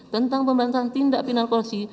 tentang pemberantasan tindak pinal korupsi